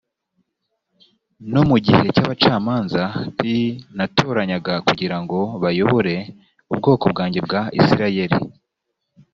no mu gihe cy abacamanza p natoranyaga kugira ngo bayobore ubwoko bwanjye bwa isirayeli